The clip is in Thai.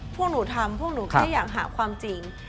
พวกหนูทำพวกหนูแค่อยากหาความจริง